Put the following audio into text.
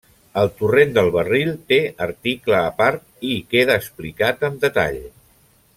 El Torrent del Barril té article a part, i hi queda explicat amb detall.